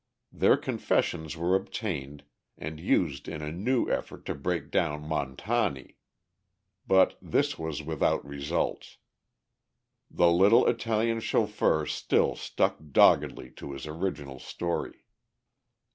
Their confessions were obtained, and used in a new effort to break down Montani. But this was without results. The little Italian chauffeur still stuck doggedly to his original story.